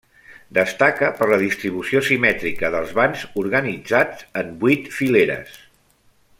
Destaca per la distribució simètrica dels vans, organitzats en vuit fileres.